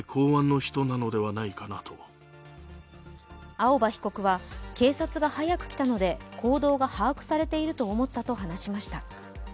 青葉被告は、警察が早く来たので行動が把握されていると思ったと話しました。